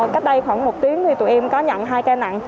cách đây khoảng một tiếng thì tụi em có nhận hai ca nặng